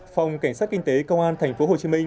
phòng cảnh sát kinh tế công an tp hcm